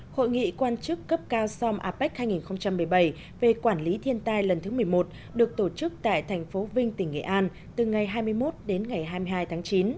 hội nghị quan chức cấp cao som apec hai nghìn một mươi bảy về quản lý thiên tai lần thứ một mươi một được tổ chức tại thành phố vinh tỉnh nghệ an từ ngày hai mươi một đến ngày hai mươi hai tháng chín